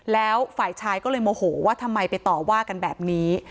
แล้วฝ่ายชายก็เลยโมโหว่าทำไมไปต่อว่ากันแบบนี้